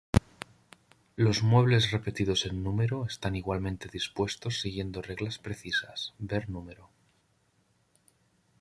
Los muebles repetidos en número están igualmente dispuestos siguiendo reglas precisas: ver número.